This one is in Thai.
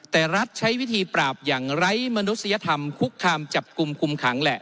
แต่รัฐใช้วิธีปราบอย่างไร้มนุษยธรรมคุกคามจับกลุ่มคุมขังแหละ